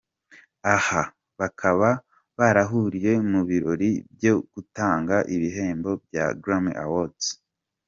Aha bakaba barahuriye mu birori byo gutanga ibihembo bya Grammy Awards.